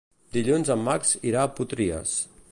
Dilluns en Max irà a Potries.